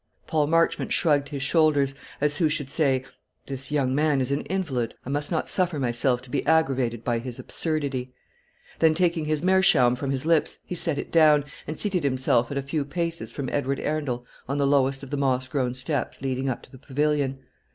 Paul Marchmont shrugged his shoulders, as who should say, "This young man is an invalid. I must not suffer myself to be aggravated by his absurdity." Then taking his meerschaum from his lips, he set it down, and seated himself at a few paces from Edward Arundel on the lowest of the moss grown steps leading up to the pavilion.